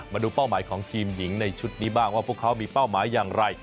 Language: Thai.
เป้าหมายของทีมหญิงในชุดนี้บ้างว่าพวกเขามีเป้าหมายอย่างไร